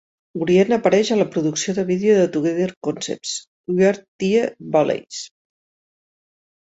Orient apareix a la producció de vídeo de Together Concepts "We Are..Teays Valley".